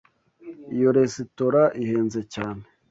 Iyo resitora ihenze cyane.